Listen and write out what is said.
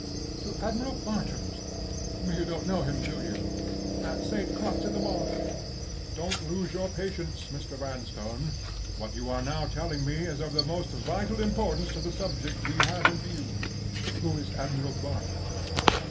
"To Admiral Bartram's—you don't know him, do you?—at St. Crux in the Marsh." "Don't lose your patience, Mr. Vanstone! What you are now telling me is of the most vital importance to the object we have in view. Who is Admiral Bartram?"